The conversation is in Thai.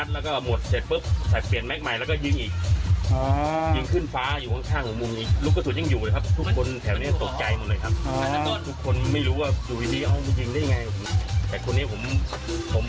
ลุกสุดยังอยู่เลยครับทุกคนแถวนี้ตกใจหมดเลยครับ